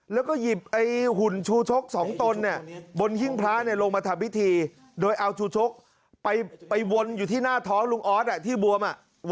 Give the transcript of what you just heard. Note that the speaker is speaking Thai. แล้วก็หยิบหุ่นชูชก๒ตนบนหิ้งพระลงมาทำพิธีโดยเอาชูชกไปวนอยู่ที่หน้าท้องลุงออสที่บวม